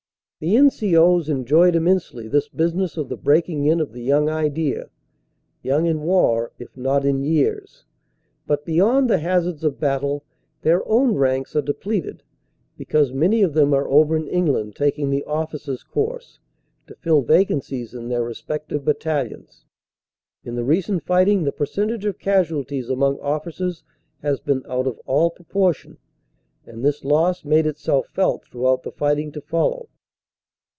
The N.C.O s enjoyed immensely this business of the break ing in of the young idea young in war if not in years. But, beyond the hazards of battle, their own ranks are depleted because many of them are over in England taking the officers course, to fill vacancies in their respective battalions. In the recent fighting the percentage of casualties among officers has been out of all proportion, and this loss made itself felt throughout the fighting to follow.